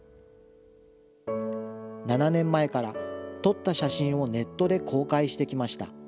７年前から、撮った写真をネットで公開してきました。